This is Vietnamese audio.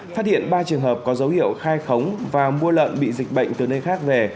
phát hiện ba trường hợp có dấu hiệu khai khống và mua lợn bị dịch bệnh từ nơi khác về